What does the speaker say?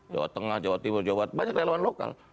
jawa tengah jawa timur jawa barat banyak relawan lokal